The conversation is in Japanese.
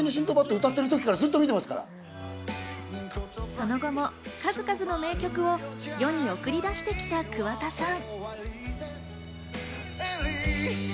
その後も数々の名曲を世に送り出してきた、桑田さん。